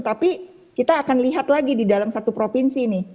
tapi kita akan lihat lagi di dalam satu provinsi nih